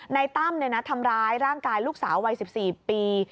ตั้มทำร้ายร่างกายลูกสาววัย๑๔ปี